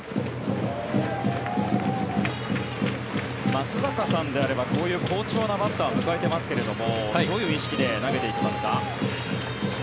松坂さんであればこういう好調なバッターを迎えていますがどういう意識で投げていきますか？